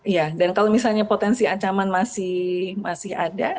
iya dan kalau misalnya potensi ancaman masih ada